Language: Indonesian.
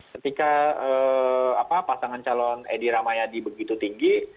ketika pasangan calon edi ramayadi begitu tinggi